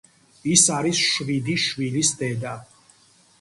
ის არის შვიდი შვილის დედა.